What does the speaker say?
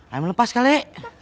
ayam lepas kali ya